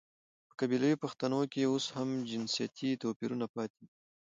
په قبايلي پښتانو کې اوس هم جنسيتي تواپيرونه پاتې دي .